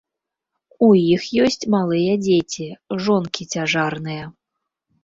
У іх ёсць малыя дзеці, жонкі цяжарныя.